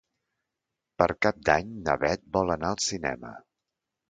Per Cap d'Any na Beth vol anar al cinema.